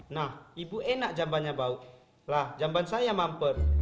nah ibu enak jambannya bau lah jamban saya mamper